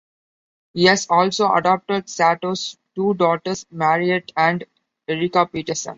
He has also adopted Sato's two daughters, Marriett and Erika Peterson.